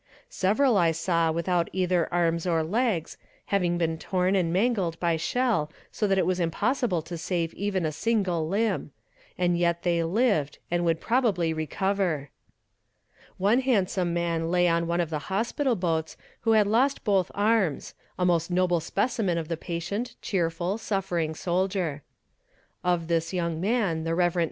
Several I saw without either arms or legs, having been torn and mangled by shell so that it was impossible to save even a single limb and yet they lived, and would probably recover. One handsome young man lay on one of the hospital boats who had lost both arms a most noble specimen of the patient, cheerful, suffering soldier. Of this young man the Rev. Mr.